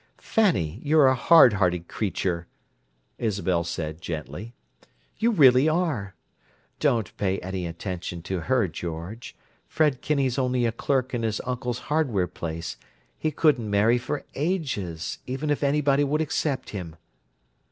"Fanny, you're a hard hearted creature," Isabel said gently. "You really are. Don't pay any attention to her, George. Fred Kinney's only a clerk in his uncle's hardware place: he couldn't marry for ages—even if anybody would accept him!"